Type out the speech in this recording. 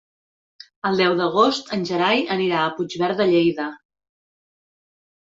El deu d'agost en Gerai anirà a Puigverd de Lleida.